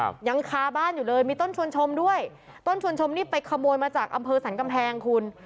ยังคาบ้านอยู่เลยมีต้นชวนชมด้วยต้นชวนชมนี่ไปขโมยมาจากอำเภอสรรกำแพงคุณ